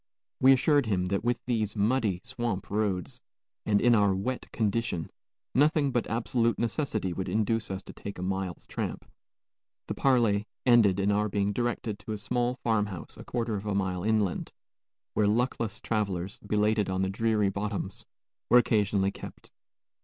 We assured him that with these muddy swamp roads, and in our wet condition, nothing but absolute necessity would induce us to take a mile's tramp. The parley ended in our being directed to a small farm house a quarter of a mile inland, where luckless travelers, belated on the dreary bottoms, were occasionally kept.